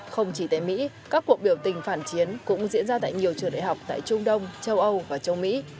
không chỉ tại mỹ các cuộc biểu tình phản chiến cũng diễn ra tại nhiều trường đại học tại trung đông châu âu và châu mỹ